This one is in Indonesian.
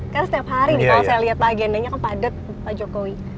kan setiap hari nih kalau saya lihat agendanya kan padat pak jokowi